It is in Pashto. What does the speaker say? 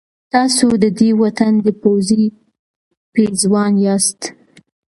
تاسو د دې وطن د پوزې پېزوان یاست.